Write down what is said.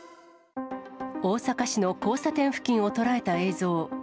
大阪市の交差点付近を捉えた映像。